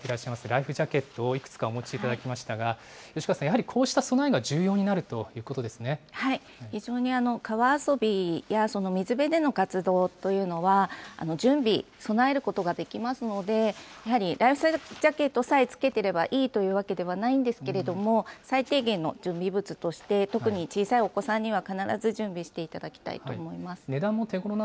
ライフジャケットをいくつかお持ちいただきましたが、吉川さん、やはりこうした備えが非常に川遊びや水辺での活動というのは、準備、備えることができますので、やはりライフジャケットさえ着けていればいいというわけではないんですけれども、最低限の準備物として、特に小さいお子さんには必ず準備していただきたいと思います。